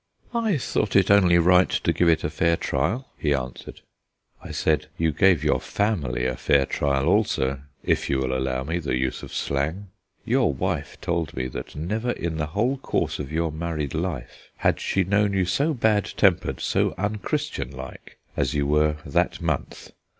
"I thought it only right to give it a fair trial," he answered. I said: "You gave your family a fair trial also; if you will allow me the use of slang. Your wife told me that never in the whole course of your married life had she known you so bad tempered, so un Christian like, as you were that month.